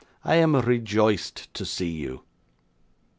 I am rejoiced to see you.